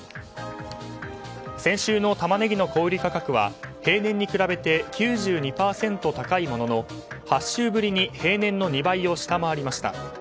先週のタマネギの小売価格は平年に比べて９２％高いものの８週ぶりに平年の２倍を下回りました。